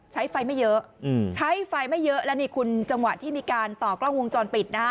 ใช้ไฟไม่เยอะใช้ไฟไม่เยอะแล้วนี่คุณจังหวะที่มีการต่อกล้องวงจรปิดนะฮะ